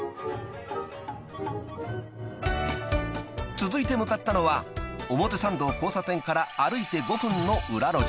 ［続いて向かったのは表参道交差点から歩いて５分の裏路地］